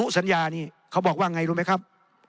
คุณต้องมีองค์กรเฉพาะในประเทศตั้งขึ้น